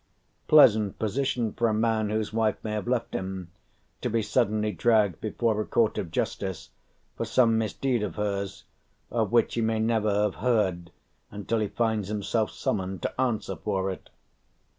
Pleasant position for a man whose wife may have left him, to be suddenly dragged before a court of justice for some misdeed of hers, of which he may never have heard until he finds himself summoned to answer for it!